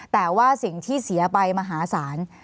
แต่ว่าสิ่งที่เสียไปมหาศาล